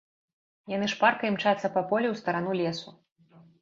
Яны шпарка імчацца па полі ў старану лесу.